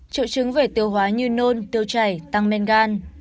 triệu chứng về tiêu hóa như nôn tiêu chảy tăng men gan